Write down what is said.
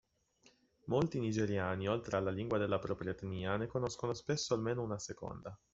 Molti Nigeriani, oltre alla lingua della propria etnia, ne conoscono spesso almeno una seconda.